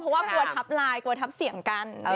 เพราะว่ากลัวทับไลน์กลัวทับเสี่ยงกัน